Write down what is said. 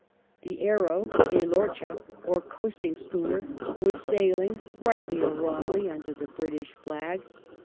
The Arrow, a lorcha or coasting schooner, was sailing, rightly or wrongly, under the British flag.